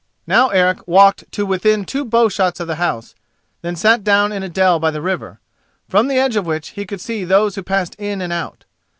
Now Eric walked to within two bowshots of the house, then sat down in a dell by the river, from the edge of which he could see those who passed in and out.